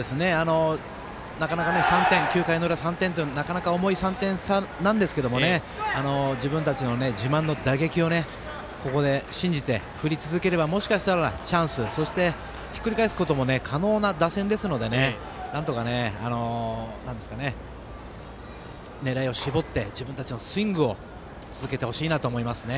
なかなか９回の裏の３点はなかなか重い３点差なんですけど自分たちの自慢の打線を信じて振り続ければ、もしかしたらチャンス、そしてひっくり返すことも可能な打線ですのでなんとか狙いを絞って自分たちのスイングを続けてほしいなと思いますね。